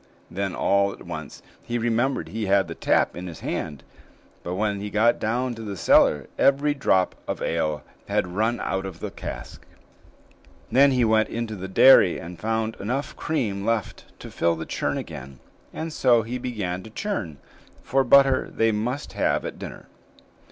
Then all at once he remembered he had the tap in his hand; but when he got down to the cellar, every drop of ale had run out of the cask. Then he went into the dairy and found enough cream left to fill the churn again, and so he began to churn, for butter they must have at dinner.